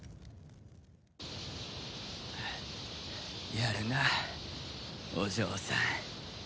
やるなお嬢さん。